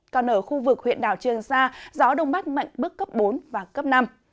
còn ở khu vực huyện đảo trường sa gió đông bắc mạnh bức cấp bốn và cấp năm